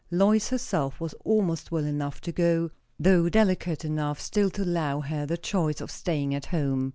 Lois herself was almost well enough to go, though delicate enough still to allow her the choice of staying at home.